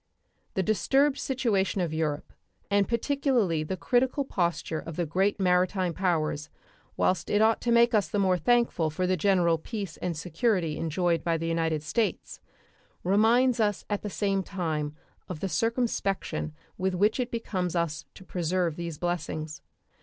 The disturbed situation of Europe, and particularly the critical posture of the great maritime powers, whilst it ought to make us the more thankful for the general peace and security enjoyed by the United States, reminds us at the same time of the circumspection with which it becomes us to preserve these blessings.